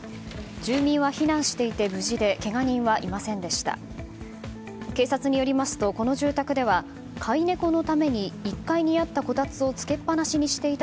住民は避難していて無事でけが人はいませんでした。